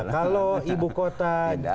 kalau ibu kota